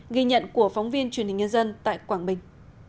ghi nhận của phóng viên truyền hình nhân dân tại quảng bình